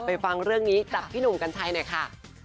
ฟังเรื่องนี้จากพี่หนุ่มกัญชัยหน่อยค่ะ